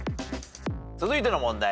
続いての問題